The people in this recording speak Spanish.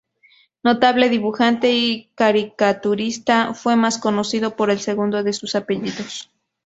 Notable dibujante y caricaturista, fue más conocido por el segundo de sus apellidos.